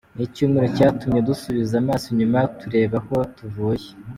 Ni icyumweru cyatumye dusubiza amaso inyuma tureba aho tuvuye.